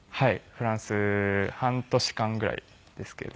フランス半年間ぐらいですけれども。